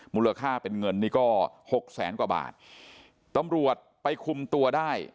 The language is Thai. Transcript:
มูลค่าเป็นเงินนี่ก็หกแสนกว่าบาทตำรวจไปคุมตัวได้